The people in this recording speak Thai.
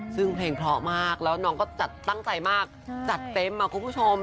ซึ่งเพลงเพราะมากแล้วน้องก็จัดตั้งใจมากจัดเต็มคุณผู้ชม